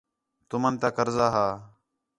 تُمن تا قرضہ ہا